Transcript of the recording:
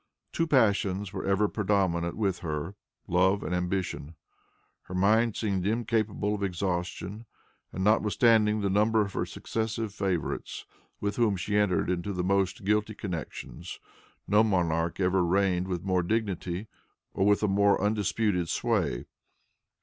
Two passions were ever predominant with her, love and ambition. Her mind seemed incapable of exhaustion, and notwithstanding the number of her successive favorites, with whom she entered into the most guilty connections, no monarch ever reigned with more dignity or with a more undisputed sway.